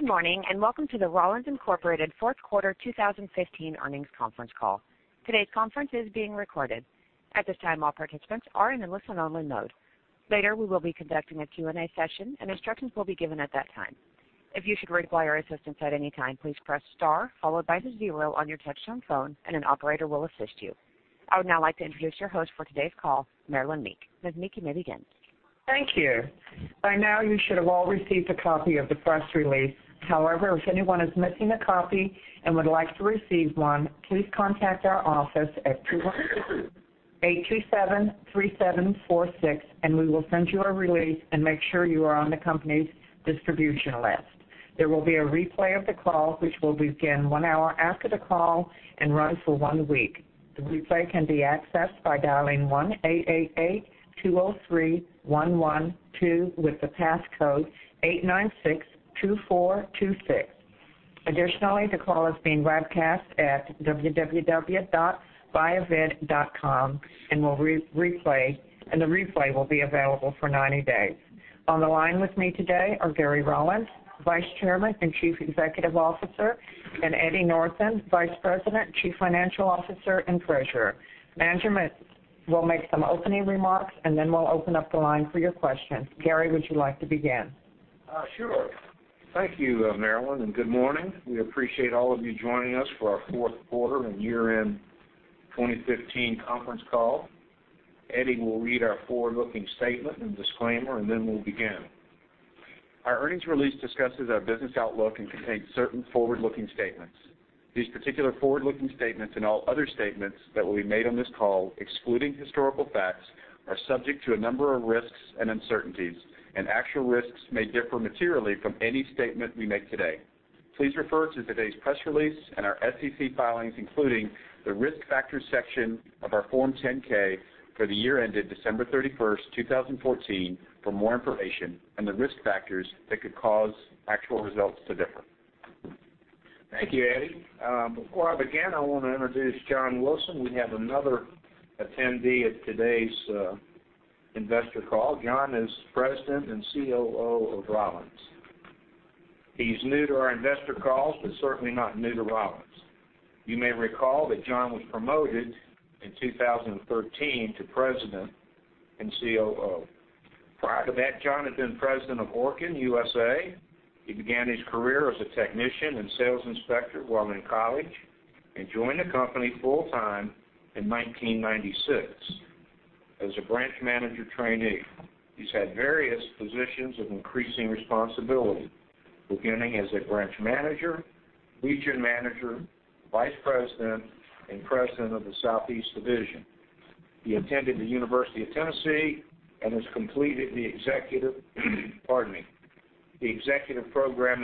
Good morning, and welcome to the Rollins, Inc. fourth quarter 2015 Earnings Conference Call. Today's conference is being recorded. At this time, all participants are in a listen-only mode. Later, we will be conducting a Q&A session, and instructions will be given at that time. If you should require assistance at any time, please press star followed by the zero on your touch-tone phone and an operator will assist you. I would now like to introduce your host for today's call, Marilynn Meek. Ms. Meek, you may begin. Thank you. By now, you should have all received a copy of the press release. However, if anyone is missing a copy and would like to receive one, please contact our office at 212-827-3746. We will send you a release and make sure you are on the company's distribution list. There will be a replay of the call, which will begin one hour after the call and run for one week. The replay can be accessed by dialing 1-888-203-1122 with the passcode 8962426. Additionally, the call is being webcast at www.buyevent.com and the replay will be available for 90 days. On the line with me today are Gary Rollins, Vice Chairman and Chief Executive Officer, and Eddie Northen, Vice President, Chief Financial Officer, and Treasurer. Management will make some opening remarks. Then we'll open up the line for your questions. Gary, would you like to begin? Sure. Thank you, Marilynn, and good morning. We appreciate all of you joining us for our fourth quarter and year-end 2015 conference call. Eddie will read our forward-looking statement and disclaimer. Then we'll begin. Our earnings release discusses our business outlook and contains certain forward-looking statements. These particular forward-looking statements, all other statements that will be made on this call excluding historical facts, are subject to a number of risks and uncertainties. Actual risks may differ materially from any statement we make today. Please refer to today's press release and our SEC filings, including the Risk Factors section of our Form 10-K for the year ended December 31, 2014, for more information on the risk factors that could cause actual results to differ. Thank you, Eddie. Before I begin, I want to introduce John Wilson. We have another attendee at today's investor call. John is President and COO of Rollins. He is new to our investor calls, but certainly not new to Rollins. You may recall that John was promoted in 2013 to President and COO. Prior to that, John had been president of Orkin USA. He began his career as a technician and sales inspector while in college and joined the company full-time in 1996 as a branch manager trainee. He has had various positions of increasing responsibility, beginning as a branch manager, region manager, vice president, and president of the Southeast Division. He attended the University of Tennessee and has completed the executive program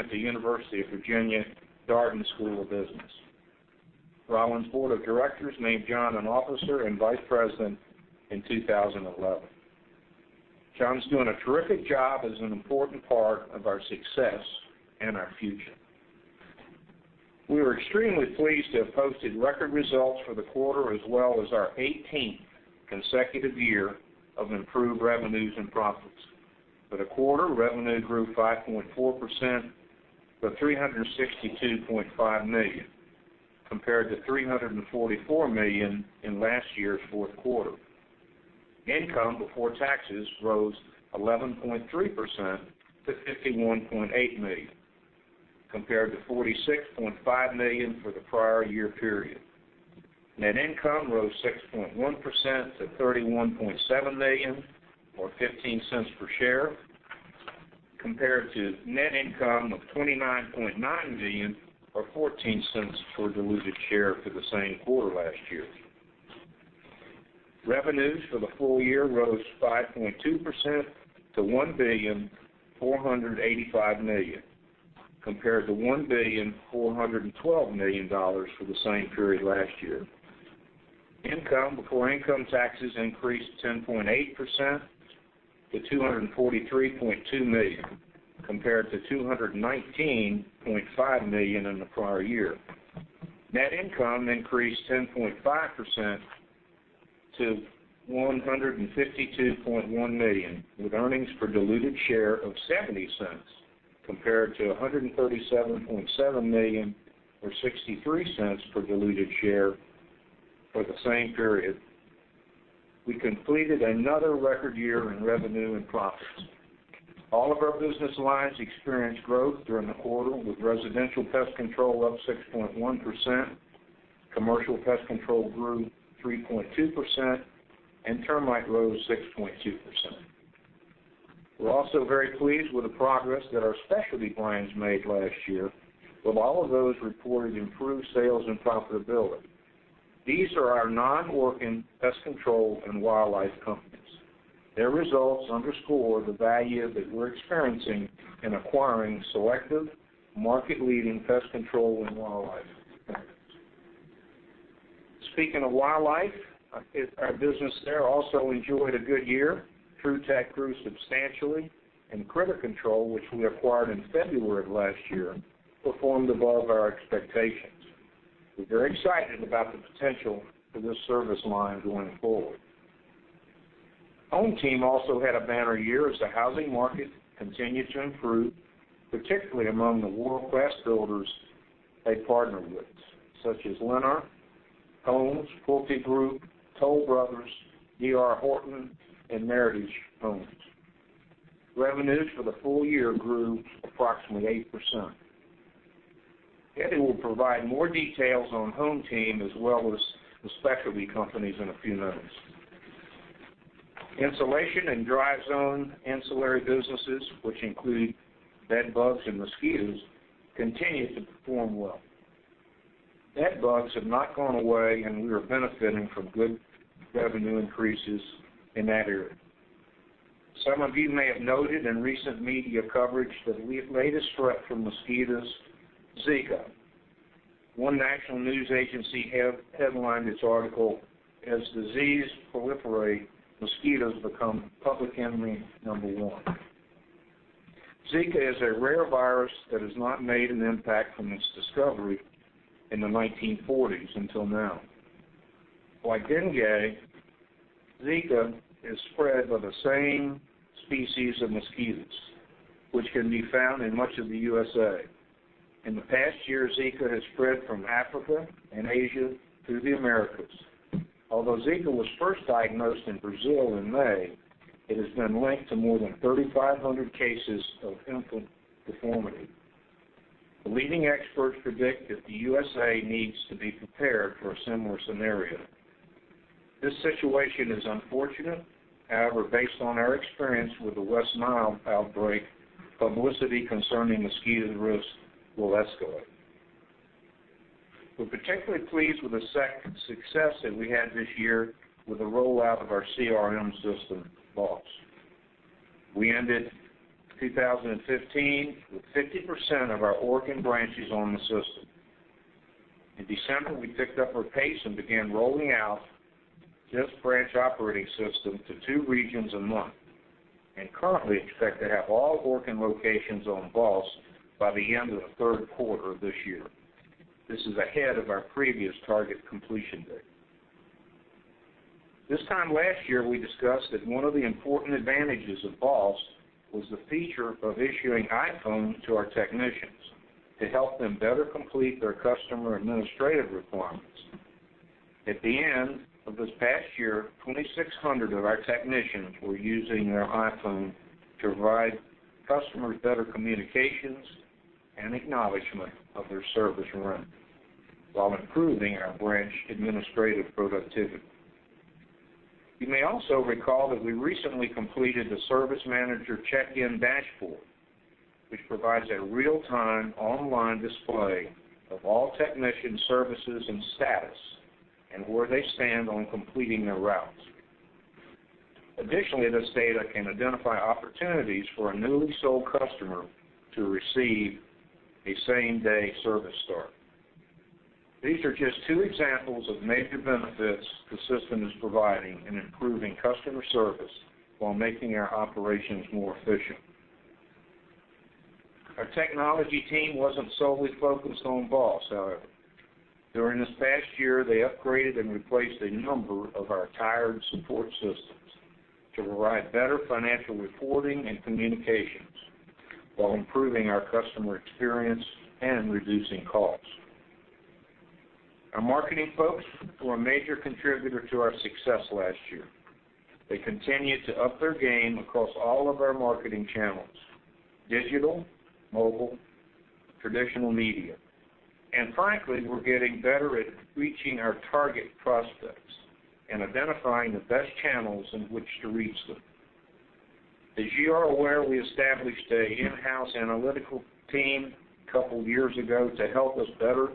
at the University of Virginia, Darden School of Business. Rollins' board of directors made John an officer and vice president in 2011. John is doing a terrific job as an important part of our success and our future. We are extremely pleased to have posted record results for the quarter as well as our 18th consecutive year of improved revenues and profits. For the quarter, revenue grew 5.4% to $362.5 million, compared to $344 million in last year's fourth quarter. Income before taxes rose 11.3% to $51.8 million, compared to $46.5 million for the prior year period. Net income rose 6.1% to $31.7 million, or $0.15 per share, compared to net income of $29.9 million or $0.14 per diluted share for the same quarter last year. Revenues for the full year rose 5.2% to $1,485,000,000, compared to $1,412,000,000 for the same period last year. Income before income taxes increased 10.8% to $243.2 million, compared to $219.5 million in the prior year. Net income increased 10.5% to $152.1 million, with earnings per diluted share of $0.70 compared to $137.7 million or $0.63 per diluted share for the same period. We completed another record year in revenue and profits. All of our business lines experienced growth during the quarter with residential pest control up 6.1%, commercial pest control grew 3.2%, and termite rose 6.2%. We are also very pleased with the progress that our specialty brands made last year, with all of those reporting improved sales and profitability. These are our non-Orkin pest control and wildlife companies. Their results underscore the value that we are experiencing in acquiring selective, market-leading pest control and wildlife companies. Speaking of wildlife, our business there also enjoyed a good year. Trutech grew substantially, and Critter Control, which we acquired in February of last year, performed above our expectations. We are very excited about the potential for this service line going forward. HomeTeam also had a banner year as the housing market continued to improve, particularly among the world-class builders they partnered with, such as Lennar, Holmes, PulteGroup, Toll Brothers, D.R. Horton, and Meritage Homes. Revenues for the full year grew approximately 8%. Eddie will provide more details on HomeTeam as well as the specialty companies in a few moments. Insulation and DryZone ancillary businesses, which include bed bugs and mosquitoes, continued to perform well. Bed bugs have not gone away, and we are benefiting from good revenue increases in that area. Some of you may have noted in recent media coverage the latest threat from mosquitoes, Zika. One national news agency headlined its article, "As diseases proliferate, mosquitoes become public enemy number one." Zika is a rare virus that has not made an impact from its discovery in the 1940s until now. Like dengue, Zika is spread by the same species of mosquitoes, which can be found in much of the U.S. In the past year, Zika has spread from Africa and Asia to the Americas. Although Zika was first diagnosed in Brazil in May, it has been linked to more than 3,500 cases of infant deformity. The leading experts predict that the U.S. needs to be prepared for a similar scenario. This situation is unfortunate. However, based on our experience with the West Nile outbreak, publicity concerning mosquito risks will escalate. We're particularly pleased with the success that we had this year with the rollout of our CRM system, BOSS. We ended 2015 with 50% of our Orkin branches on the system. In December, we picked up our pace and began rolling out this branch operating system to two regions a month, and currently expect to have all Orkin locations on BOSS by the end of the third quarter of this year. This is ahead of our previous target completion date. This time last year, we discussed that one of the important advantages of BOSS was the feature of issuing iPhones to our technicians to help them better complete their customer administrative requirements. At the end of this past year, 2,600 of our technicians were using their iPhone to provide customers better communications and acknowledgement of their service run while improving our branch administrative productivity. You may also recall that we recently completed the service manager check-in dashboard, which provides a real-time online display of all technician services and status and where they stand on completing their routes. Additionally, this data can identify opportunities for a newly sold customer to receive a same-day service start. These are just two examples of major benefits the system is providing in improving customer service while making our operations more efficient. Our technology team wasn't solely focused on BOSS, however. During this past year, they upgraded and replaced a number of our tired support systems to provide better financial reporting and communications while improving our customer experience and reducing costs. Our marketing folks were a major contributor to our success last year. They continued to up their game across all of our marketing channels, digital, mobile, traditional media. Frankly, we're getting better at reaching our target prospects and identifying the best channels in which to reach them. As you are aware, we established an in-house analytical team a couple of years ago to help us better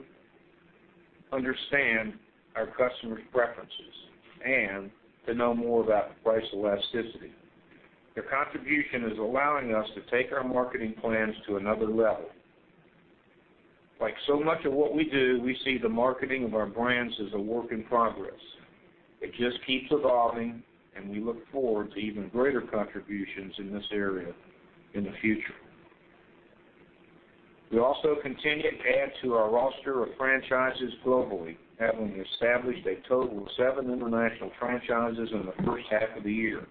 understand our customers' preferences and to know more about price elasticity. Their contribution is allowing us to take our marketing plans to another level. Like so much of what we do, we see the marketing of our brands as a work in progress. It just keeps evolving, and we look forward to even greater contributions in this area in the future. We also continued to add to our roster of franchises globally, having established a total of seven international franchises in the first half of the year.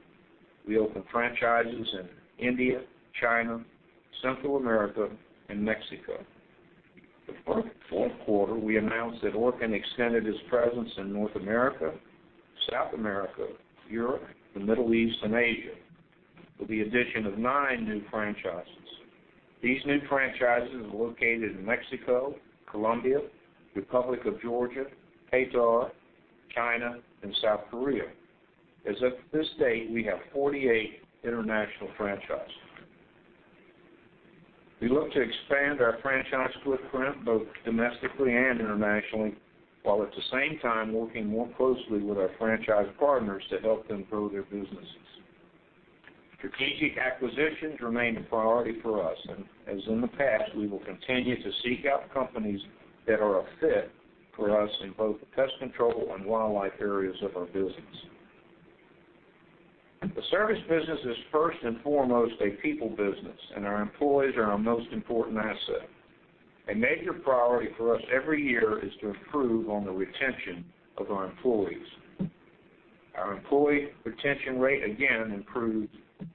We opened franchises in India, China, Central America, and Mexico. The fourth quarter, we announced that Orkin extended its presence in North America, South America, Europe, the Middle East, and Asia with the addition of nine new franchises. These new franchises are located in Mexico, Colombia, Republic of Georgia, Qatar, China, and South Korea. As of this date, we have 48 international franchises. We look to expand our franchise footprint both domestically and internationally, while at the same time working more closely with our franchise partners to help them grow their businesses. Strategic acquisitions remain a priority for us, and as in the past, we will continue to seek out companies that are a fit for us in both the pest control and wildlife areas of our business. The service business is first and foremost a people business, and our employees are our most important asset. A major priority for us every year is to improve on the retention of our employees. Our employee retention rate again improved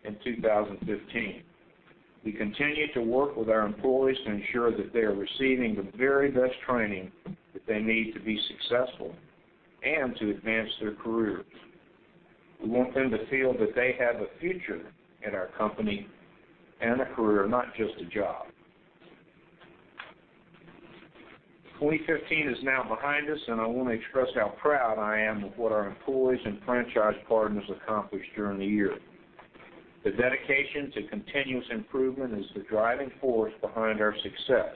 in 2015. We continue to work with our employees to ensure that they are receiving the very best training that they need to be successful and to advance their careers. We want them to feel that they have a future in our company and a career, not just a job. 2015 is now behind us. I want to express how proud I am of what our employees and franchise partners accomplished during the year. The dedication to continuous improvement is the driving force behind our success.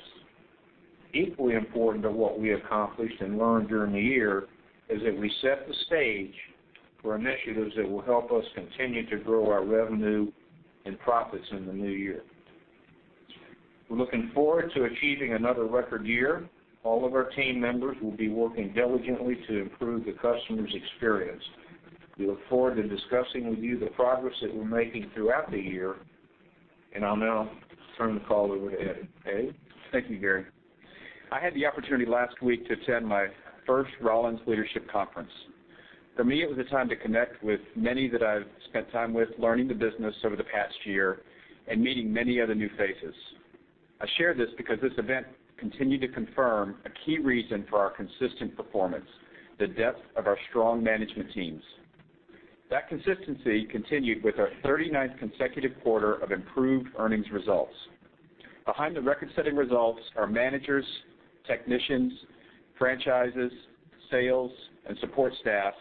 Equally important to what we accomplished and learned during the year is that we set the stage for initiatives that will help us continue to grow our revenue and profits in the new year. We're looking forward to achieving another record year. All of our team members will be working diligently to improve the customer's experience. We look forward to discussing with you the progress that we're making throughout the year. I'll now turn the call over to Eddie. Eddie? Thank you, Gary. I had the opportunity last week to attend my first Rollins Leadership Conference. For me, it was a time to connect with many that I've spent time with learning the business over the past year and meeting many other new faces. I share this because this event continued to confirm a key reason for our consistent performance, the depth of our strong management teams. That consistency continued with our 39th consecutive quarter of improved earnings results. Behind the record-setting results are managers, technicians, franchises, sales, and support staff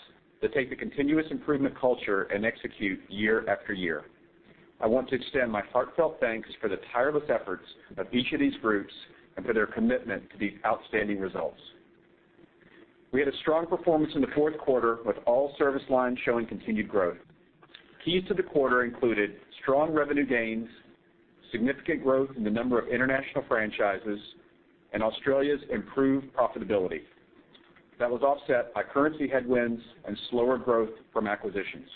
that take the continuous improvement culture and execute year after year. I want to extend my heartfelt thanks for the tireless efforts of each of these groups and for their commitment to these outstanding results. We had a strong performance in the fourth quarter, with all service lines showing continued growth. Keys to the quarter included strong revenue gains, significant growth in the number of international franchises, and Australia's improved profitability. That was offset by currency headwinds and slower growth from acquisitions.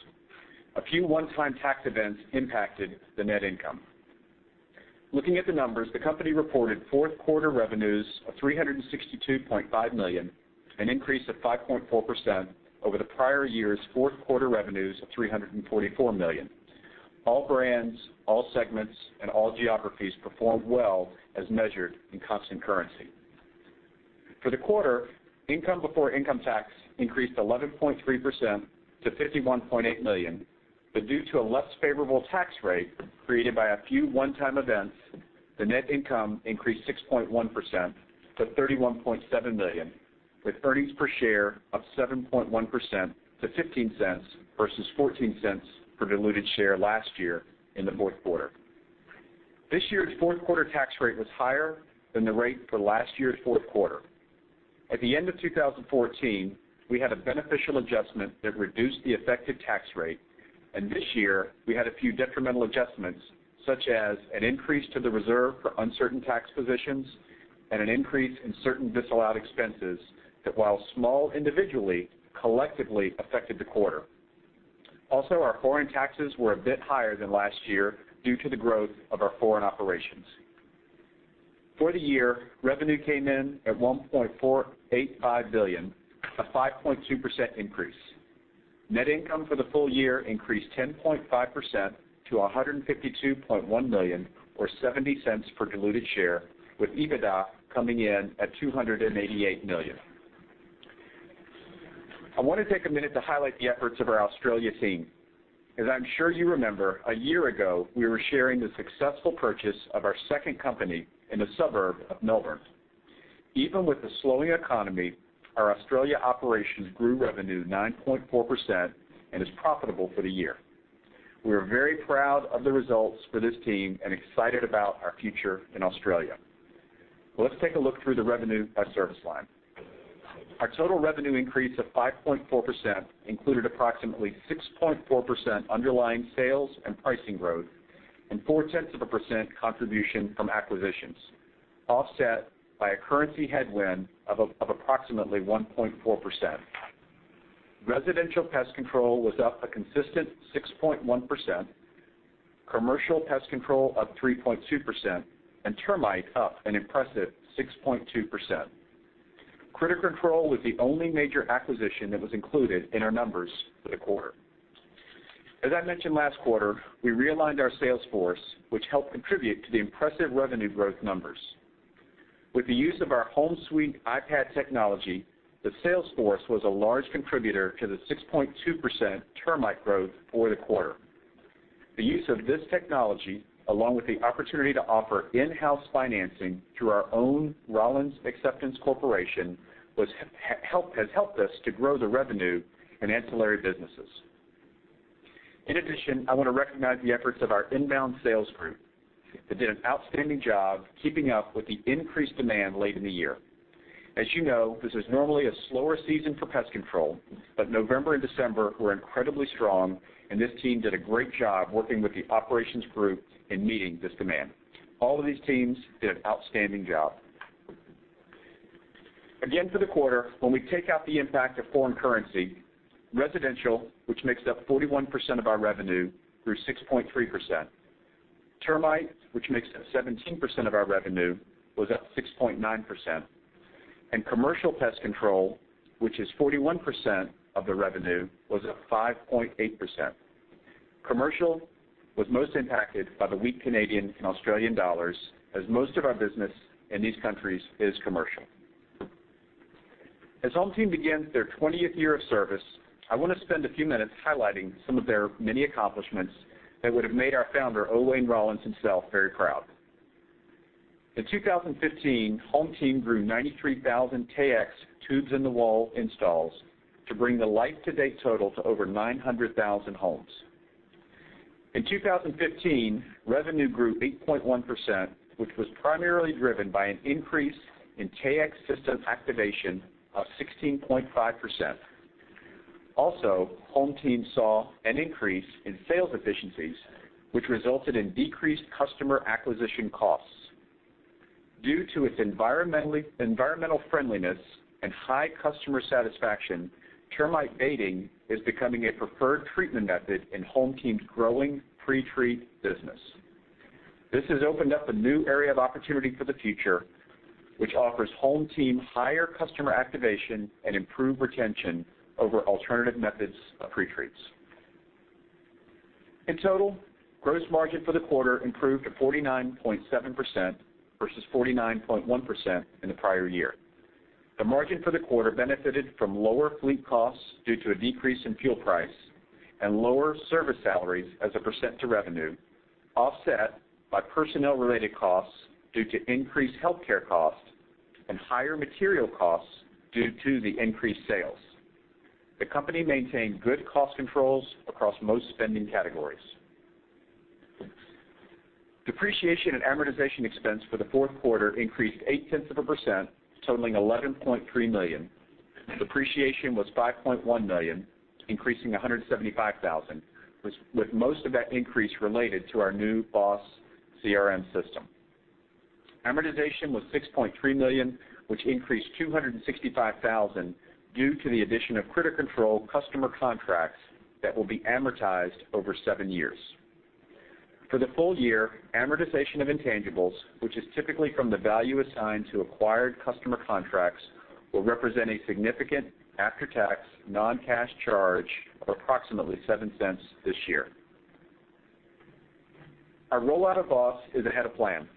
A few one-time tax events impacted the net income. Looking at the numbers, the company reported fourth-quarter revenues of $362.5 million, an increase of 5.4% over the prior year's fourth-quarter revenues of $344 million. All brands, all segments, and all geographies performed well as measured in constant currency. For the quarter, income before income tax increased 11.3% to $51.8 million. Due to a less favorable tax rate created by a few one-time events, the net income increased 6.1% to $31.7 million, with earnings per share up 7.1% to $0.15 versus $0.14 per diluted share last year in the fourth quarter. This year's fourth-quarter tax rate was higher than the rate for last year's fourth quarter. At the end of 2014, we had a beneficial adjustment that reduced the effective tax rate. This year, we had a few detrimental adjustments, such as an increase to the reserve for uncertain tax positions and an increase in certain disallowed expenses that, while small individually, collectively affected the quarter. Our foreign taxes were a bit higher than last year due to the growth of our foreign operations. For the year, revenue came in at $1.485 billion, a 5.2% increase. Net income for the full year increased 10.5% to $152.1 million, or $0.70 per diluted share, with EBITDA coming in at $288 million. I want to take a minute to highlight the efforts of our Australia team. As I'm sure you remember, a year ago, we were sharing the successful purchase of our second company in a suburb of Melbourne. Even with the slowing economy, our Australia operations grew revenue 9.4% and is profitable for the year. We are very proud of the results for this team and excited about our future in Australia. Let's take a look through the revenue by service line. Our total revenue increase of 5.4% included approximately 6.4% underlying sales and pricing growth and 0.4% contribution from acquisitions, offset by a currency headwind of approximately 1.4%. Residential pest control was up a consistent 6.1%, commercial pest control up 3.2%, and termite up an impressive 6.2%. Critter Control was the only major acquisition that was included in our numbers for the quarter. As I mentioned last quarter, we realigned our sales force, which helped contribute to the impressive revenue growth numbers. With the use of our Home Team iPad technology, the sales force was a large contributor to the 6.2% termite growth for the quarter. The use of this technology, along with the opportunity to offer in-house financing through our own Rollins Acceptance Company, has helped us to grow the revenue in ancillary businesses. I want to recognize the efforts of our inbound sales group. They did an outstanding job keeping up with the increased demand late in the year. As you know, this is normally a slower season for pest control. November and December were incredibly strong, and this team did a great job working with the operations group in meeting this demand. All of these teams did an outstanding job. For the quarter, when we take out the impact of foreign currency, residential, which makes up 41% of our revenue, grew 6.3%. Termite, which makes up 17% of our revenue, was up 6.9%. Commercial pest control, which is 41% of the revenue, was up 5.8%. Commercial was most impacted by the weak Canadian and Australian dollars, as most of our business in these countries is commercial. As HomeTeam begins their 20th year of service, I want to spend a few minutes highlighting some of their many accomplishments that would have made our founder, O. Wayne Rollins himself, very proud. In 2015, HomeTeam grew 93,000 Taexx tubes-in-the-wall installs to bring the life-to-date total to over 900,000 homes. In 2015, revenue grew 8.1%, which was primarily driven by an increase in Taexx system activation of 16.5%. Also, HomeTeam saw an increase in sales efficiencies, which resulted in decreased customer acquisition costs. Due to its environmental friendliness and high customer satisfaction, termite baiting is becoming a preferred treatment method in HomeTeam's growing pre-treat business. This has opened up a new area of opportunity for the future, which offers HomeTeam higher customer activation and improved retention over alternative methods of pre-treats. In total, gross margin for the quarter improved to 49.7% versus 49.1% in the prior year. The margin for the quarter benefited from lower fleet costs due to a decrease in fuel price and lower service salaries as a percent to revenue, offset by personnel-related costs due to increased healthcare costs and higher material costs due to the increased sales. The company maintained good cost controls across most spending categories. Depreciation and amortization expense for the fourth quarter increased 0.8%, totaling $11.3 million. Depreciation was $5.1 million, increasing $175,000, with most of that increase related to our new BOSS CRM system. Amortization was $6.3 million, which increased $265,000 due to the addition of Critter customer contracts that will be amortized over seven years. For the full year, amortization of intangibles, which is typically from the value assigned to acquired customer contracts, will represent a significant after-tax non-cash charge of approximately $0.07 this year. Our rollout of BOSS is ahead of plan.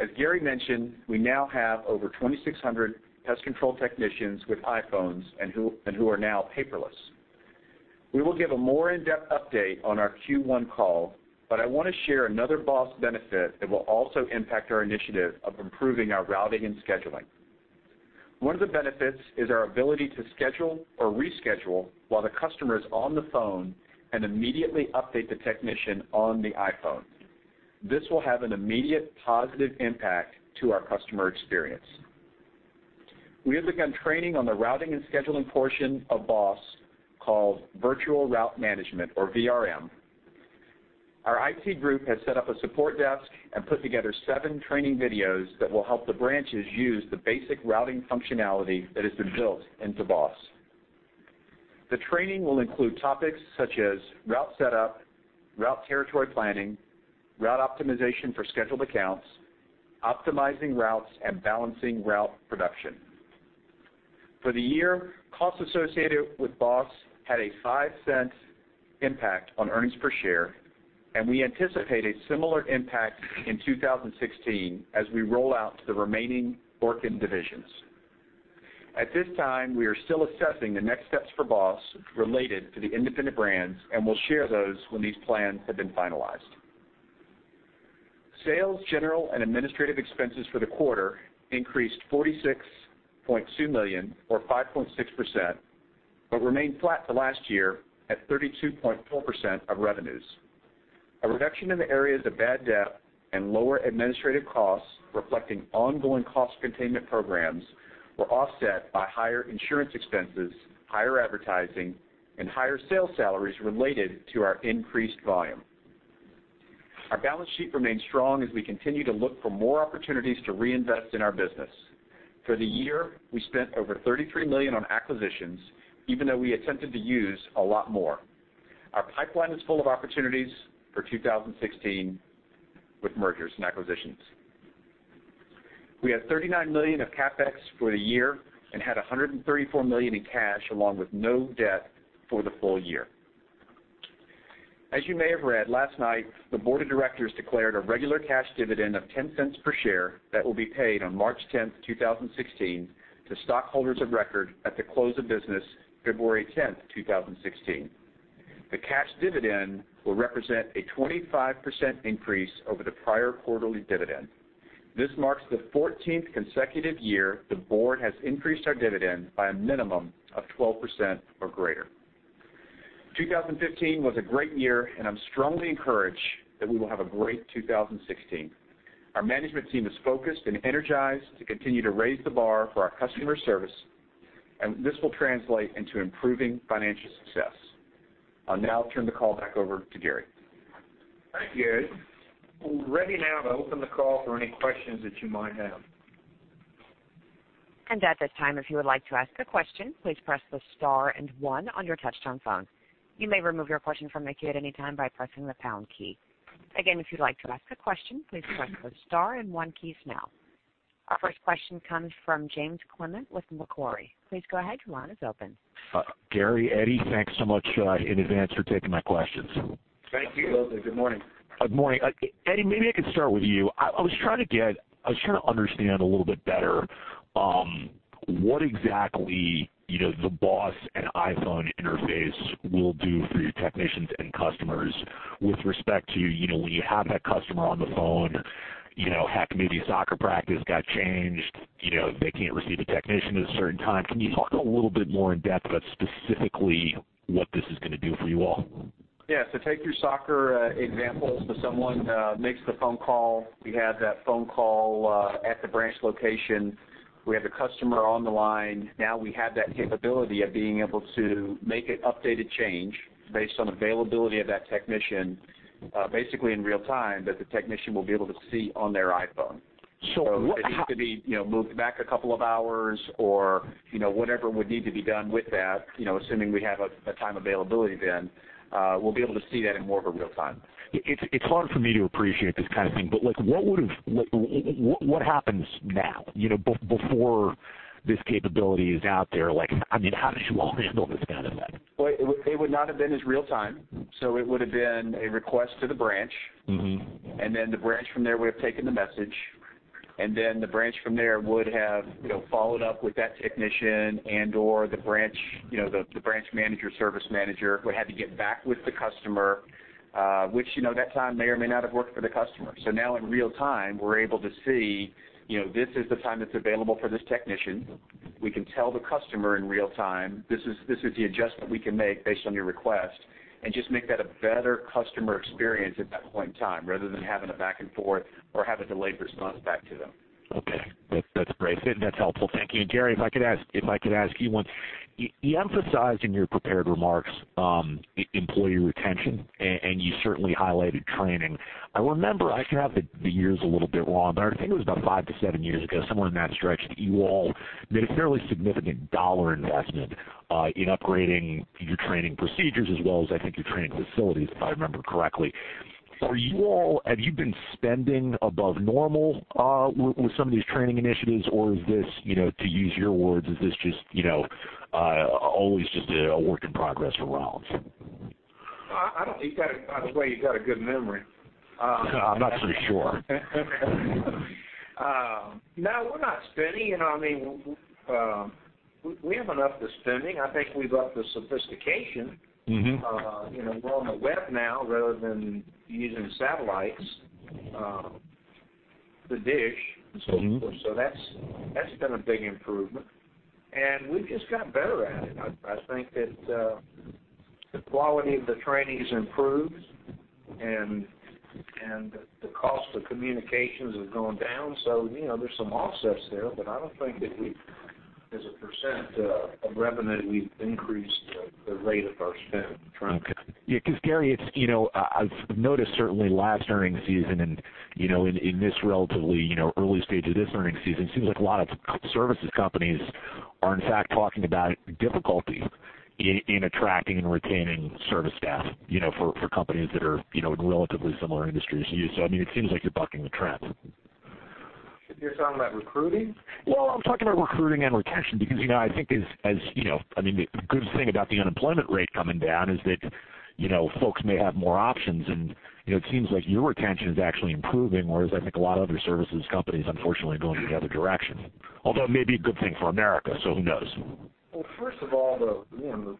As Gary mentioned, we now have over 2,600 pest control technicians with iPhones and who are now paperless. We will give a more in-depth update on our Q1 call, but I want to share another BOSS benefit that will also impact our initiative of improving our routing and scheduling. One of the benefits is our ability to schedule or reschedule while the customer is on the phone and immediately update the technician on the iPhone. This will have an immediate positive impact to our customer experience. We have begun training on the routing and scheduling portion of BOSS called Virtual Route Management or VRM. Our IT group has set up a support desk and put together seven training videos that will help the branches use the basic routing functionality that has been built into BOSS. The training will include topics such as route setup, route territory planning, route optimization for scheduled accounts, optimizing routes, and balancing route production. For the year, costs associated with BOSS had a $0.05 impact on earnings per share, and we anticipate a similar impact in 2016 as we roll out to the remaining Orkin divisions. At this time, we are still assessing the next steps for BOSS related to the independent brands, and we'll share those when these plans have been finalized. Sales, general and administrative expenses for the quarter increased to $46.2 million or 5.6%, but remained flat to last year at 32.4% of revenues. A reduction in the areas of bad debt and lower administrative costs reflecting ongoing cost containment programs were offset by higher insurance expenses, higher advertising, and higher sales salaries related to our increased volume. Our balance sheet remains strong as we continue to look for more opportunities to reinvest in our business. For the year, we spent over $33 million on acquisitions, even though we attempted to use a lot more. Our pipeline is full of opportunities for 2016 with mergers and acquisitions. We had $39 million of CapEx for the year and had $134 million in cash along with no debt for the full year. As you may have read, last night, the board of directors declared a regular cash dividend of $0.10 per share that will be paid on March 10th, 2016, to stockholders of record at the close of business February 10th, 2016. The cash dividend will represent a 25% increase over the prior quarterly dividend. This marks the 14th consecutive year the board has increased our dividend by a minimum of 12% or greater. 2015 was a great year, and I'm strongly encouraged that we will have a great 2016. Our management team is focused and energized to continue to raise the bar for our customer service, and this will translate into improving financial success. I'll now turn the call back over to Gary. Thank you. We're ready now to open the call for any questions that you might have. At this time, if you would like to ask a question, please press the star and one on your touch-tone phone. You may remove your question from the queue at any time by pressing the pound key. Again, if you'd like to ask a question, please press the star and one keys now. Our first question comes from James Clement with Macquarie. Please go ahead, your line is open. Gary, Eddie, thanks so much in advance for taking my questions. Thank you. Absolutely. Good morning. Good morning. Eddie, maybe I could start with you. I was trying to understand a little bit better what exactly the BOSS and iPhone interface will do for your technicians and customers with respect to when you have that customer on the phone, heck, maybe soccer practice got changed, they can't receive a technician at a certain time. Can you talk a little bit more in depth about specifically what this is going to do for you all? Take your soccer example. Someone makes the phone call. We have that phone call at the branch location. We have the customer on the line. Now we have that capability of being able to make an updated change based on availability of that technician, basically in real time, that the technician will be able to see on their iPhone. What- If it needs to be moved back a couple of hours or whatever would need to be done with that, assuming we have a time availability then, we'll be able to see that in more of a real time. It's hard for me to appreciate this kind of thing, but what happens now? Before this capability is out there, how did you all handle this kind of event? Well, it would not have been as real time. It would've been a request to the branch. The branch from there would've taken the message, and then the branch from there would have followed up with that technician and/or the branch manager, service manager, would had to get back with the customer, which that time may or may not have worked for the customer. Now in real time, we're able to see, this is the time that's available for this technician. We can tell the customer in real time, "This is the adjustment we can make based on your request," and just make that a better customer experience at that point in time, rather than having a back and forth or have a delayed response back to them. Okay. That's great. That's helpful. Thank you. Gary, if I could ask you one. You emphasized in your prepared remarks, employee retention, and you certainly highlighted training. I remember, I could have the years a little bit wrong, but I think it was about five to seven years ago, somewhere in that stretch, that you all made a fairly significant dollar investment in upgrading your training procedures as well as, I think, your training facilities, if I remember correctly. Have you been spending above normal with some of these training initiatives, or is this, to use your words, is this just always just a work in progress for Rollins? By the way, you've got a good memory. I'm not so sure. No, we're not spending. We have enough to spending. I think we've upped the sophistication. We're on the web now rather than using satellites, the dish. That's been a big improvement. We've just got better at it. I think that the quality of the training's improved, and the cost of communications has gone down. There's some offsets there, but I don't think that we've, as a % of revenue, we've increased the rate of our spend trend. Okay. Yeah, Gary, I've noticed certainly last earning season and in this relatively early stage of this earning season, it seems like a lot of services companies are in fact talking about difficulties in attracting and retaining service staff for companies that are in relatively similar industries to you. It seems like you're bucking the trend. You're talking about recruiting? Well, I'm talking about recruiting and retention because I think the good thing about the unemployment rate coming down is that folks may have more options, it seems like your retention is actually improving, whereas I think a lot of other services companies, unfortunately, are going in the other direction. It may be a good thing for America, who knows? Well, first of all, the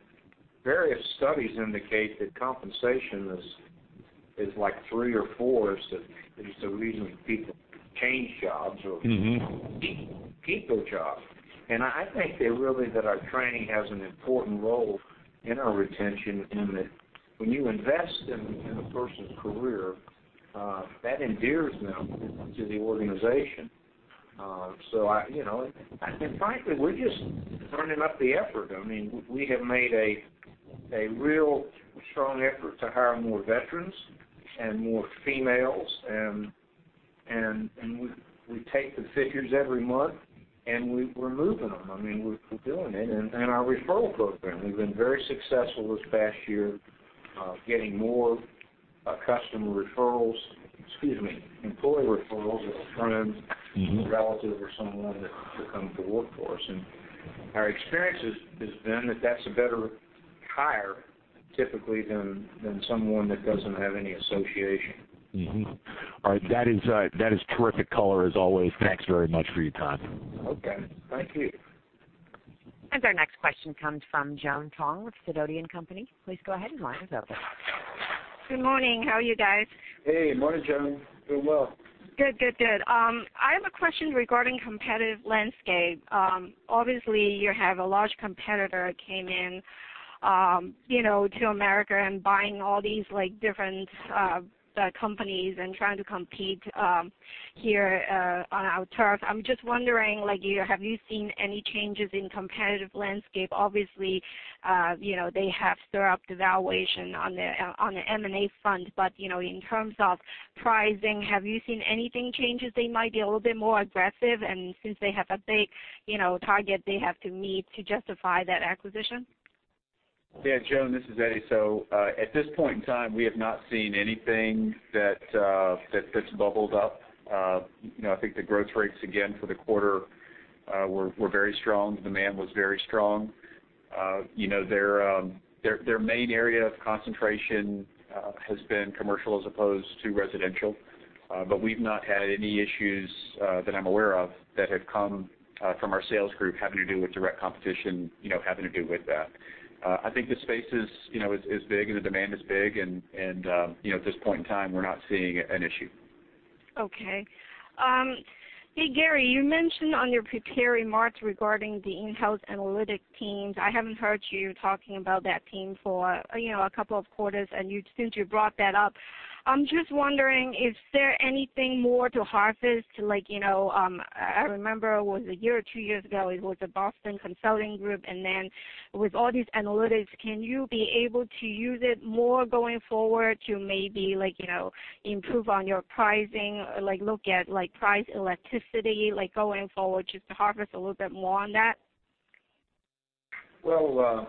various studies indicate that compensation is like three or four is the reason people change jobs. keep their job. I think that really that our training has an important role in our retention, in that when you invest in a person's career, that endears them to the organization. Frankly, we're just turning up the effort. We have made a real strong effort to hire more veterans and more females. We take the figures every month, we're moving them. We're doing it. Our referral program, we've been very successful this past year, getting more customer referrals, excuse me, employee referrals of a friend relative or someone that will come to work for us. Our experience has been that that's a better hire, typically, than someone that doesn't have any association. All right. That is terrific color as always. Thanks very much for your time. Okay. Thank you. Our next question comes from Joan Tong with Sidoti & Company. Please go ahead, your line is open. Good morning. How are you guys? Hey, morning, Joan. Doing well. Good. I have a question regarding competitive landscape. Obviously, you have a large competitor that came in to America and buying all these different companies and trying to compete here on our turf. I'm just wondering, have you seen any changes in competitive landscape? Obviously, they have stirred up the valuation on the M&A front. In terms of pricing, have you seen any changes? They might be a little bit more aggressive, since they have a big target they have to meet to justify that acquisition? Yeah, Joan, this is Eddie. At this point in time, we have not seen anything that's bubbled up. I think the growth rates, again, for the quarter were very strong. Demand was very strong. Their main area of concentration has been commercial as opposed to residential. We've not had any issues that I'm aware of that have come from our sales group having to do with direct competition, having to do with that. I think the space is big, and the demand is big, and at this point in time, we're not seeing an issue. Okay. Hey, Gary, you mentioned on your prepared remarks regarding the in-house analytic teams. I haven't heard you talking about that team for a couple of quarters. Since you brought that up, I'm just wondering, is there anything more to harvest? I remember it was a year or two years ago, it was the Boston Consulting Group. With all these analytics, can you be able to use it more going forward to maybe improve on your pricing, look at price elasticity, going forward, just to harvest a little bit more on that? Well, sure.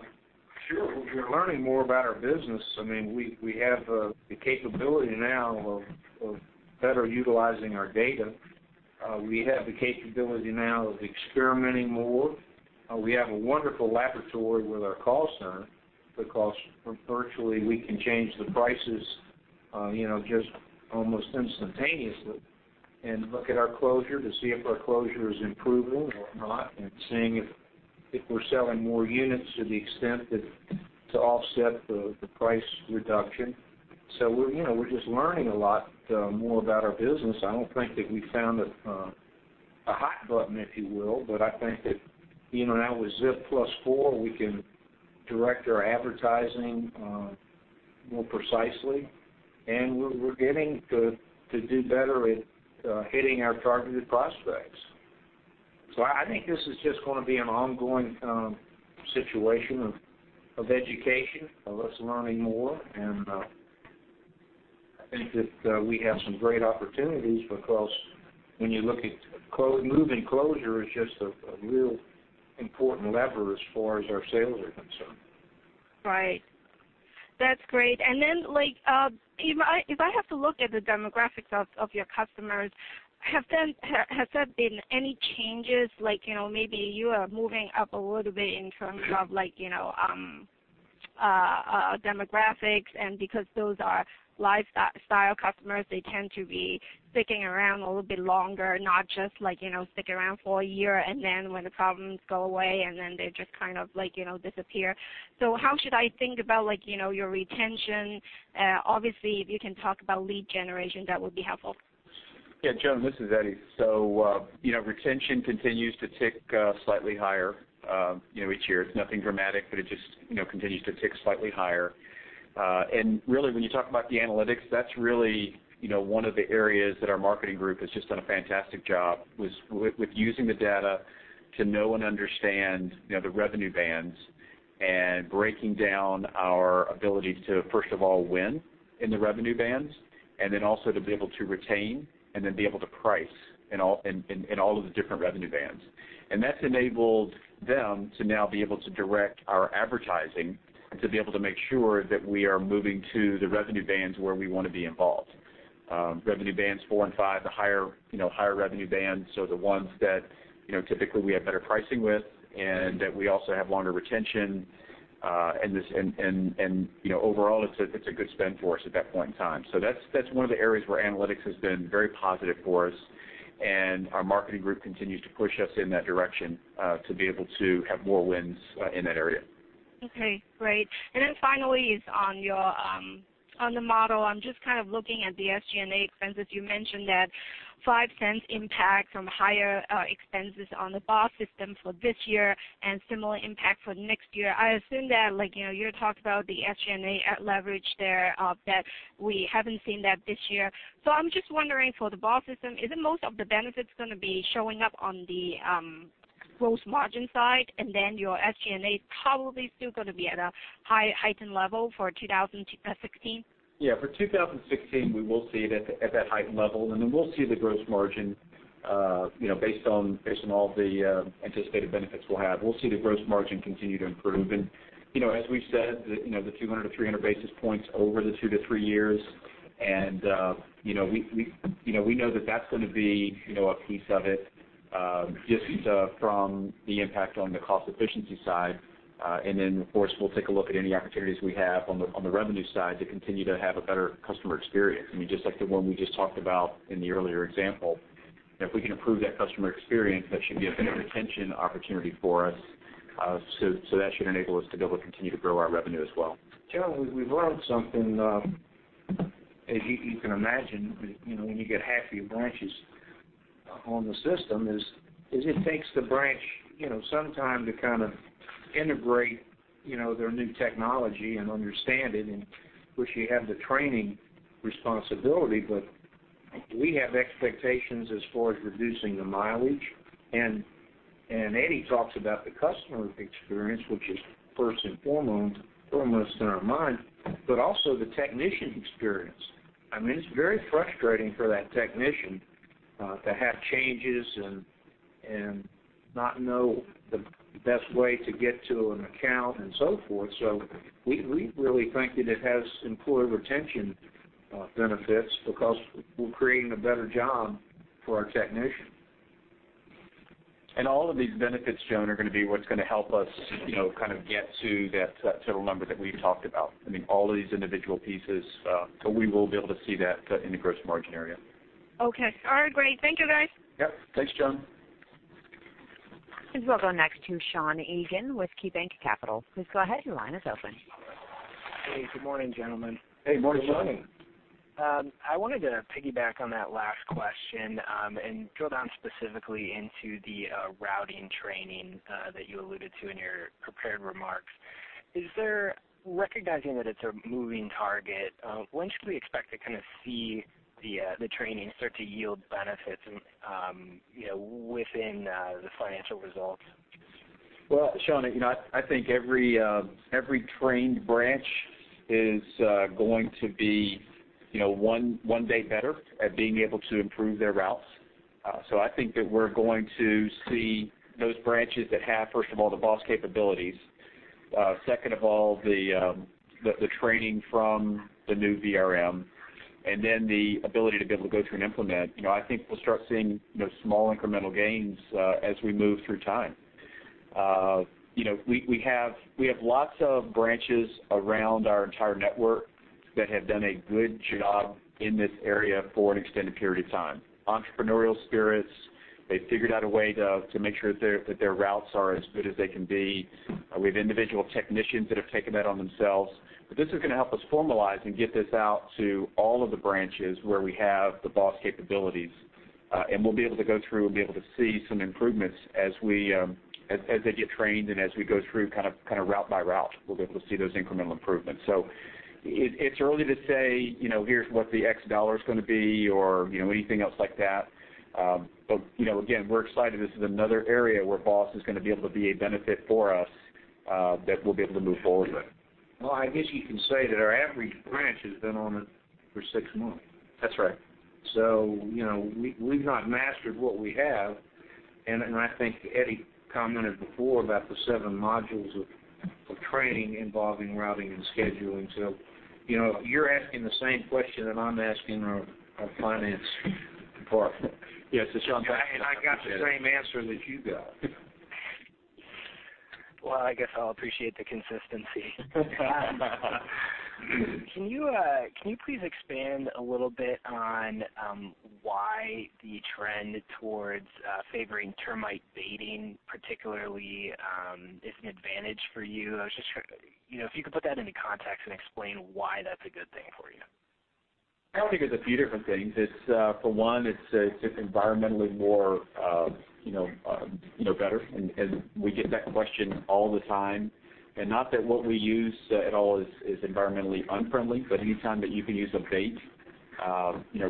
We're learning more about our business. We have the capability now of better utilizing our data. We have the capability now of experimenting more. We have a wonderful laboratory with our call center, because virtually we can change the prices just almost instantaneously, and look at our closure to see if our closure is improving or not, and seeing if we're selling more units to the extent that to offset the price reduction. We're just learning a lot more about our business. I don't think that we've found a hot button, if you will. I think that now with ZIP+4, we can direct our advertising more precisely, and we're getting to do better at hitting our targeted prospects. I think this is just going to be an ongoing situation of education, of us learning more, and I think that we have some great opportunities, because when you look at moving closure is just a real important lever as far as our sales are concerned. Right. That's great. If I have to look at the demographics of your customers, has there been any changes, maybe you are moving up a little bit in terms of demographics, and because those are lifestyle customers, they tend to be sticking around a little bit longer, not just stick around for a year and then when the problems go away, and then they just kind of disappear. How should I think about your retention? Obviously, if you can talk about lead generation, that would be helpful. Yeah, Joan, this is Eddie. Retention continues to tick slightly higher each year. It's nothing dramatic, but it just continues to tick slightly higher. Really, when you talk about the analytics, that's really one of the areas that our marketing group has just done a fantastic job, was with using the data to know and understand the revenue bands and breaking down our ability to, first of all, win in the revenue bands, and then also to be able to retain and then be able to price in all of the different revenue bands. That's enabled them to now be able to direct our advertising and to be able to make sure that we are moving to the revenue bands where we want to be involved. Revenue bands four and five, the higher revenue bands, the ones that typically we have better pricing with and that we also have longer retention. Overall, it's a good spend for us at that point in time. That's one of the areas where analytics has been very positive for us, and our marketing group continues to push us in that direction, to be able to have more wins in that area. Okay, great. Finally, on the model, I'm just kind of looking at the SG&A expenses. You mentioned that $0.05 impact from higher expenses on the BOSS system for this year and similar impact for next year. I assume that you talked about the SG&A leverage there, that we haven't seen that this year. I'm just wondering for the BOSS system, isn't most of the benefits going to be showing up on the gross margin side, and then your SG&A is probably still going to be at a heightened level for 2016? Yeah. For 2016, we will see it at that heightened level. We'll see the gross margin based on all the anticipated benefits we'll have. We'll see the gross margin continue to improve. As we've said, the 200-300 basis points over the two to three years. We know that that's going to be a piece of it, just from the impact on the cost efficiency side. Of course, we'll take a look at any opportunities we have on the revenue side to continue to have a better customer experience. I mean, just like the one we just talked about in the earlier example, if we can improve that customer experience, that should be a better retention opportunity for us. That should enable us to be able to continue to grow our revenue as well. Joan, we've learned something. As you can imagine, when you get half your branches on the system, it takes the branch some time to integrate their new technology and understand it, which you have the training responsibility, but we have expectations as far as reducing the mileage. Eddie talks about the customer experience, which is first and foremost in our mind, but also the technician experience. It's very frustrating for that technician to have changes and not know the best way to get to an account and so forth. We really think that it has employee retention benefits because we're creating a better job for our technician. All of these benefits, Joan, are going to be what's going to help us get to that total number that we've talked about. All of these individual pieces, we will be able to see that cut in the gross margin area. Okay. All right, great. Thank you, guys. Yep. Thanks, Joan. We'll go next to Sean Egan with KeyBanc Capital. Please go ahead, your line is open. Hey, good morning, gentlemen. Hey, morning, Sean. Good morning. I wanted to piggyback on that last question, drill down specifically into the routing training that you alluded to in your prepared remarks. Recognizing that it's a moving target, when should we expect to see the training start to yield benefits within the financial results? Well, Sean, I think every trained branch is going to be one day better at being able to improve their routes. I think that we're going to see those branches that have, first of all, the BOSS capabilities, second of all, the training from the new VRM, and then the ability to be able to go through and implement. I think we'll start seeing small incremental gains as we move through time. We have lots of branches around our entire network that have done a good job in this area for an extended period of time. Entrepreneurial spirits, they've figured out a way to make sure that their routes are as good as they can be. We have individual technicians that have taken that on themselves. This is going to help us formalize and get this out to all of the branches where we have the BOSS capabilities. We'll be able to go through and be able to see some improvements as they get trained and as we go through route by route. We'll be able to see those incremental improvements. It's early to say, here's what the X dollar is going to be or anything else like that. Again, we're excited. This is another area where BOSS is going to be able to be a benefit for us that we'll be able to move forward with. Well, I guess you can say that our average branch has been on it for six months. That's right. We've not mastered what we have, and I think Eddie commented before about the seven modules of training involving routing and scheduling. You're asking the same question that I'm asking our finance department. Yes, Sean I got the same answer that you got. Well, I guess I'll appreciate the consistency. Can you please expand a little bit on why the trend towards favoring termite baiting particularly is an advantage for you? If you could put that into context and explain why that's a good thing for you. I think there's a few different things. For one, it's just environmentally better. We get that question all the time, and not that what we use at all is environmentally unfriendly, but anytime that you can use a bait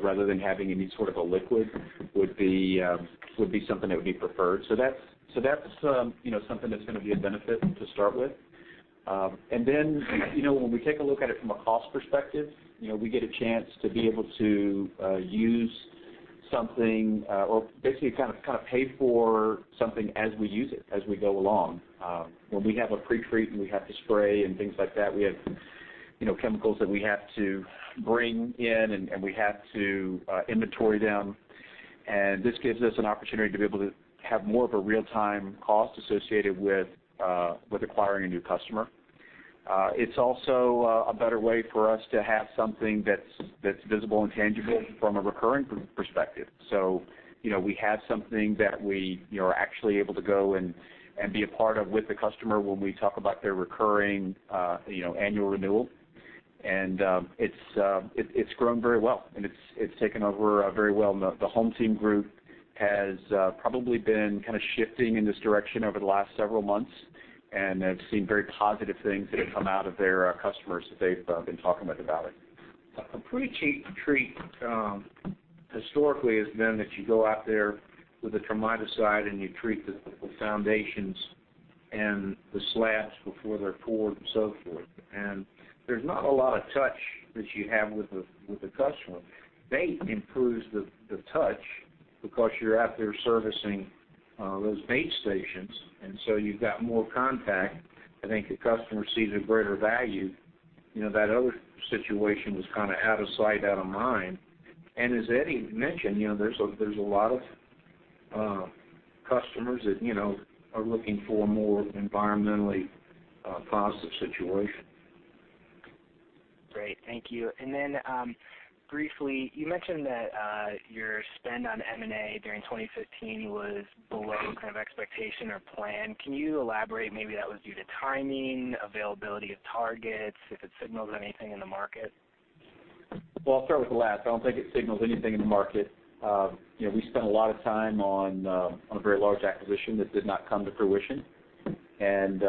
rather than having any sort of a liquid would be something that would be preferred. That's something that's going to be a benefit to start with. Then, when we take a look at it from a cost perspective, we get a chance to be able to use something or basically pay for something as we use it, as we go along. When we have a pre-treat and we have to spray and things like that, we have chemicals that we have to bring in and we have to inventory them. This gives us an opportunity to be able to have more of a real-time cost associated with acquiring a new customer. It's also a better way for us to have something that's visible and tangible from a recurring perspective. We have something that we are actually able to go and be a part of with the customer when we talk about their recurring annual renewal. It's grown very well, and it's taken over very well. The HomeTeam group has probably been shifting in this direction over the last several months, and they've seen very positive things that have come out of their customers that they've been talking with about it. A pre-treat historically has been that you go out there with a termiticide and you treat the foundations and the slabs before they're poured and so forth. There's not a lot of touch that you have with the customer. Bait improves the touch because you're out there servicing those bait stations, you've got more contact. I think the customer sees a greater value. That other situation was kind of out of sight, out of mind. As Eddie mentioned, there's a lot of customers that are looking for a more environmentally positive situation. Great. Thank you. Briefly, you mentioned that your spend on M&A during 2015 was below kind of expectation or plan. Can you elaborate? Maybe that was due to timing, availability of targets, if it signals anything in the market? Well, I'll start with the last. I don't think it signals anything in the market. We spent a lot of time on a very large acquisition that did not come to fruition. As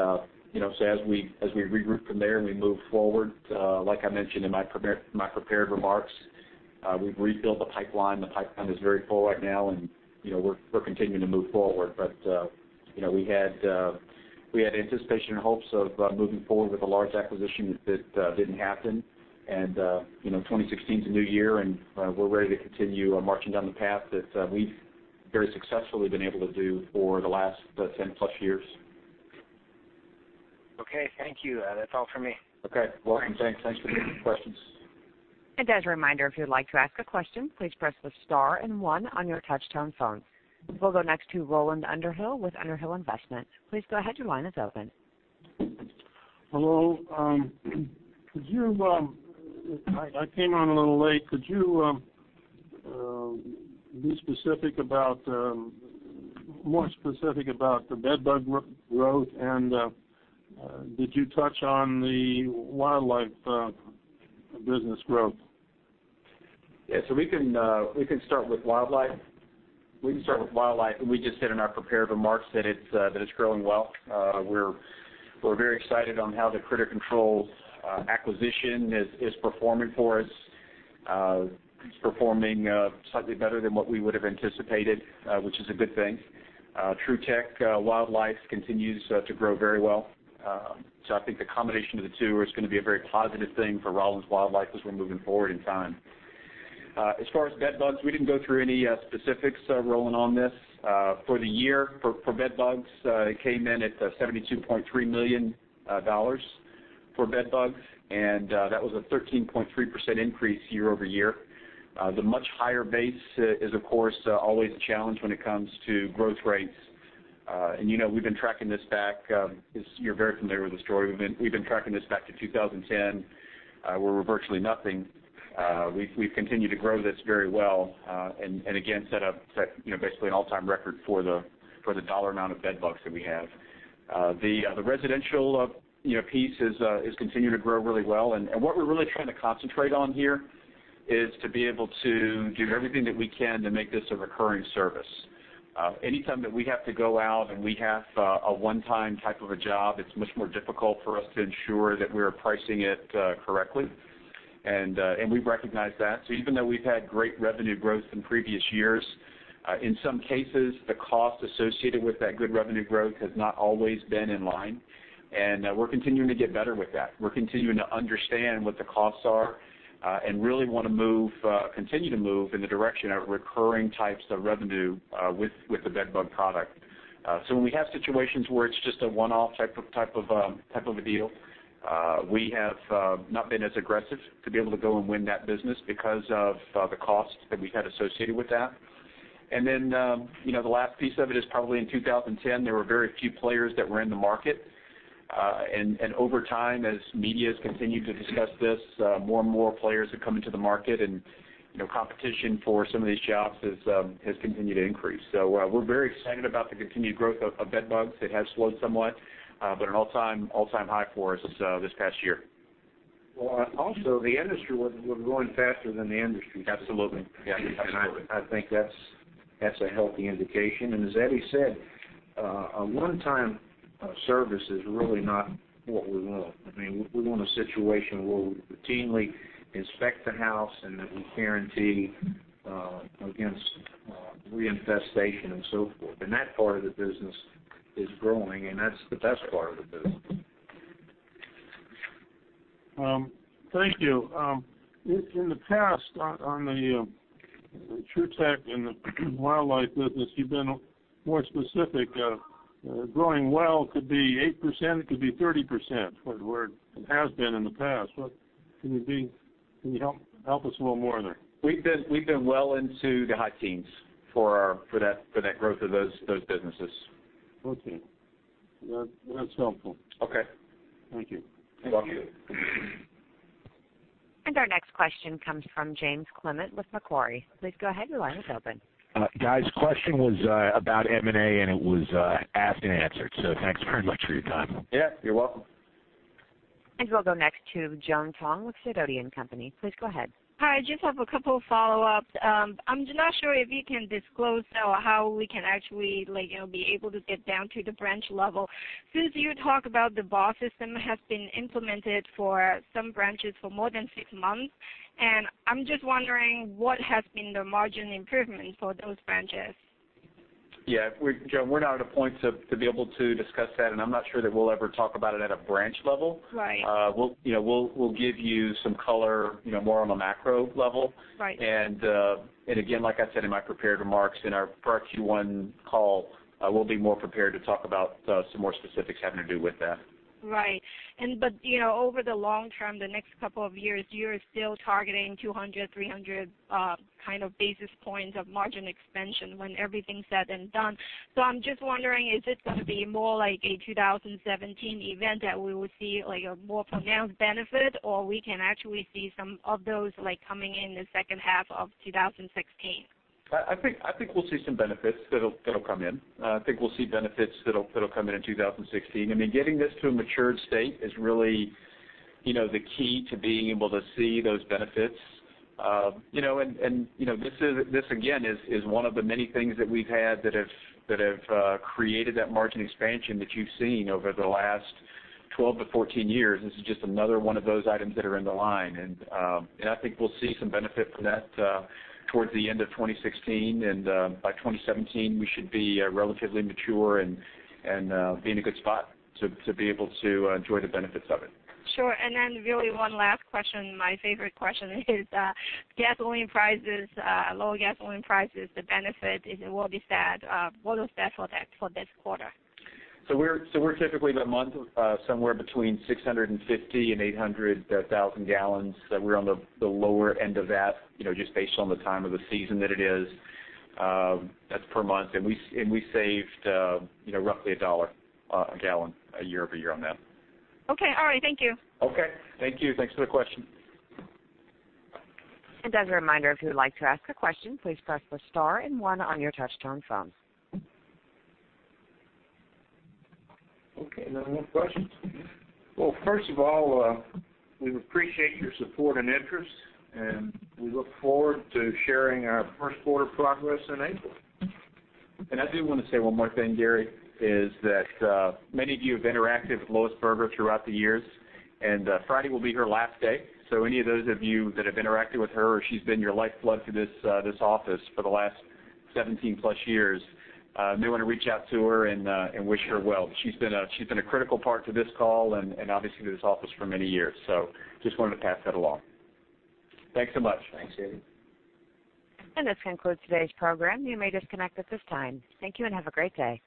we regroup from there and we move forward, like I mentioned in my prepared remarks, we've rebuilt the pipeline. The pipeline is very full right now, and we're continuing to move forward. We had anticipation and hopes of moving forward with a large acquisition that didn't happen. 2016 is a new year, and we're ready to continue marching down the path that we've very successfully been able to do for the last 10 plus years. Okay. Thank you. That's all for me. Okay. Welcome, James. Thanks for the questions. As a reminder, if you'd like to ask a question, please press the star and one on your touch-tone phone. We'll go next to Roland Underhill with Underhill Investment Management. Please go ahead. Your line is open. Hello. I came on a little late. Could you be more specific about the bed bug growth? Did you touch on the Wildlife business growth? Yeah. We can start with Wildlife. We just said in our prepared remarks that it's growing well. We're very excited on how the Critter Control acquisition is performing for us. It's performing slightly better than what we would have anticipated, which is a good thing. Trutech continues to grow very well. I think the combination of the two is going to be a very positive thing for Rollins Wildlife as we're moving forward in time. As far as bed bugs, we didn't go through any specifics, Roland, on this. For the year, for bed bugs, it came in at $72.3 million for bed bugs, and that was a 13.3% increase year-over-year. The much higher base is, of course, always a challenge when it comes to growth rates. We've been tracking this back, as you're very familiar with the story, we've been tracking this back to 2010, where we're virtually nothing. We've continued to grow this very well, and again, set basically an all-time record for the dollar amount of bed bugs that we have. The residential piece is continuing to grow really well, and what we're really trying to concentrate on here is to be able to do everything that we can to make this a recurring service. Anytime that we have to go out and we have a one-time type of a job, it's much more difficult for us to ensure that we're pricing it correctly, and we recognize that. Even though we've had great revenue growth in previous years, in some cases, the cost associated with that good revenue growth has not always been in line, and we're continuing to get better with that. We're continuing to understand what the costs are and really want to continue to move in the direction of recurring types of revenue with the bed bug product. When we have situations where it's just a one-off type of a deal, we have not been as aggressive to be able to go and win that business because of the costs that we've had associated with that. The last piece of it is probably in 2010, there were very few players that were in the market. Over time, as media has continued to discuss this, more and more players have come into the market and competition for some of these jobs has continued to increase. We're very excited about the continued growth of bed bugs. It has slowed somewhat, but an all-time high for us this past year. Well, also, we're growing faster than the industry. Absolutely. Yeah. I think that's a healthy indication. As Eddie said, a one-time service is really not what we want. We want a situation where we routinely inspect the house and that we guarantee against reinfestation and so forth. That part of the business is growing, and that's the best part of the business. Thank you. In the past, on the Trutech and the Wildlife business, you've been more specific. Growing well could be 8%, it could be 30%, or it has been in the past. Can you help us a little more there? We've been well into the high teens for that growth of those businesses. Okay. That's helpful. Okay. Thank you. You're welcome. Our next question comes from James Clement with Macquarie. Please go ahead. Your line is open. Guys, question was about M&A, and it was asked and answered, so thanks very much for your time. Yeah. You're welcome. We'll go next to Joan Tong with Sidoti & Company. Please go ahead. Hi. I just have a couple follow-ups. I'm not sure if you can disclose how we can actually be able to get down to the branch level. Since you talk about the BOSS system has been implemented for some branches for more than six months, and I'm just wondering what has been the margin improvement for those branches? Yeah. Joan, we're not at a point to be able to discuss that, and I'm not sure that we'll ever talk about it at a branch level. Right. We'll give you some color more on a macro level. Right. Again, like I said in my prepared remarks, in our first Q1 call, I will be more prepared to talk about some more specifics having to do with that. Right. Over the long term, the next couple of years, you're still targeting 200, 300 basis points of margin expansion when everything's said and done. I'm just wondering, is this going to be more like a 2017 event that we will see a more pronounced benefit, or we can actually see some of those coming in the second half of 2016? I think we'll see some benefits that'll come in. I think we'll see benefits that'll come in in 2016. Getting this to a matured state is really the key to being able to see those benefits. This, again, is one of the many things that we've had that have created that margin expansion that you've seen over the last 12 to 14 years. This is just another one of those items that are in the line, and I think we'll see some benefit from that towards the end of 2016. By 2017, we should be relatively mature and be in a good spot to be able to enjoy the benefits of it. Sure. Really one last question, my favorite question is gasoline prices, lower gasoline prices, the benefit, what was that for this quarter? We're typically the month somewhere between 650 and 800,000 gallons. We're on the lower end of that just based on the time of the season that it is. That's per month. We saved roughly $1 a gallon year-over-year on that. Okay. All right. Thank you. Okay. Thank you. Thanks for the question. As a reminder, if you would like to ask a question, please press the star and one on your touchtone phone. Okay, no more questions. First of all, we appreciate your support and interest, and we look forward to sharing our first quarter progress in April. I do want to say one more thing, Gary, is that many of you have interacted with Lois Berger throughout the years, and Friday will be her last day. Any of those of you that have interacted with her or she's been your lifeblood to this office for the last 17 plus years, may want to reach out to her and wish her well. She's been a critical part to this call and obviously to this office for many years. Just wanted to pass that along. Thanks so much. Thanks, Gary. This concludes today's program. You may disconnect at this time. Thank you and have a great day.